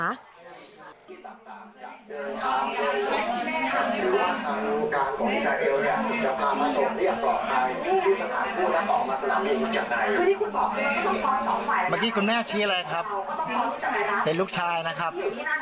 เมื่อกี้คุณแม่ชี้อะไรครับเป็นลูกชายนะครับ